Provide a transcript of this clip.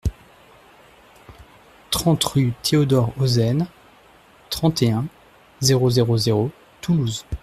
trente rue Théodore Ozenne, trente et un, zéro zéro zéro, Toulouse